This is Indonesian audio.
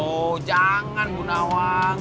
oh jangan ibu nawang